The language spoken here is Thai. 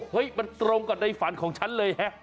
เฮ้ยมันตรงกับในฝันของฉันเลย